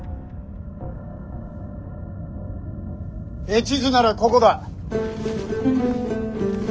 絵地図ならここだ。